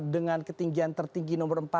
dengan ketinggian tertinggi nomor empat